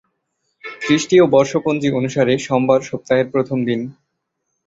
খ্রিস্টীয় বর্ষপঞ্জী অনুযায়ী সোমবার সপ্তাহের প্রথম দিন।